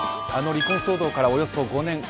あの離婚騒動から、およそ５年。